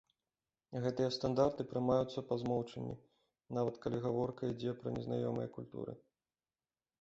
Гэтыя стандарты прымаюцца па змоўчанні, нават калі гаворка ідзе пра незнаёмыя культуры.